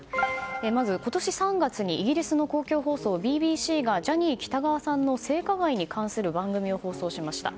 まず今年３月にイギリスの公共放送ＢＢＣがジャニー喜多川さんの性加害に関する番組を放送しました。